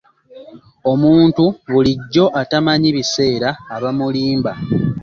Omuntu bulijjo atamanyi biseera aba mulimba.